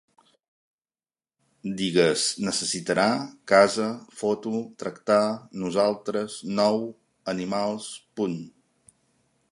Digues: necessitarà, casa, foto, tractar, nosaltres, nou, animals, punt